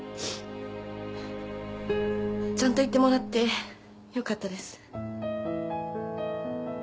ちゃんと言ってもらってよかったです。